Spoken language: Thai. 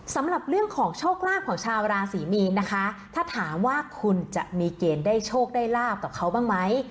สำหรับเรื่องของโชคลาภของชาวราศรีมีนนะคะถ้าถามว่าคุณจะมีเกณฑ์ได้โชคได้ลาบกับเขาบ้างไหม